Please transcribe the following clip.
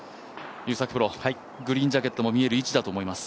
グリーンジャケットも見える位置だと思います。